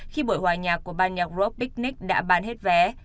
khi buổi hoài nhạc của ban nhạc rock picnic đã bán hết vé